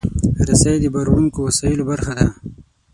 رسۍ د باروړونکو وسایلو برخه ده.